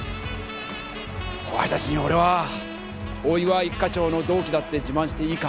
後輩たちに俺は大岩一課長の同期だって自慢していいか？